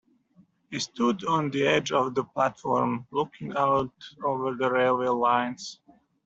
He stood on the edge of the platform, looking out over the railway lines.